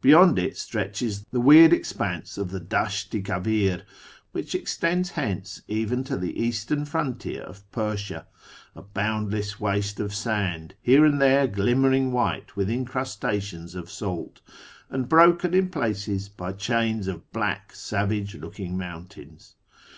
Beyond it stretches the weird expanse of the Dasht i Kavir, which extends hence even to the eastern frontier of Persia — a boundless waste of sand, here and there glimmering white with incrustations of salt, and broken in places by chains of black savacje looking mountains.